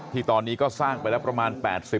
ที่ตอนนี้ก็สร้างไปแล้วประมาณ๘๐